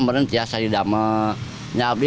kalau tidak ada apa apa